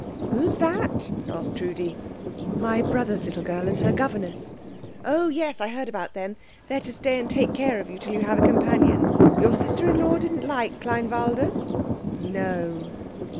"Who's that?" asked Trudi. "My brother's little girl and her governess." "Oh yes, I heard about them. They are to stay and take care of you till you have a companion. Your sister in law didn't like Kleinwalde?" "No."